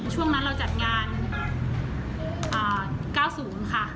ช่วงนั้นเราจัดงาน๙๐ค่ะ